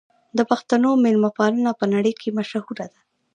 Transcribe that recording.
د پښتنو مېلمه پالنه په نړۍ کې مشهوره ده.